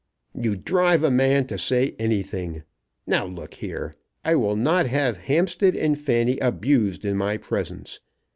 "You drive a man to say anything. Now look here. I will not have Hampstead and Fanny abused in my presence.